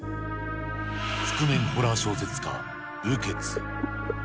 覆面ホラー小説家、雨穴。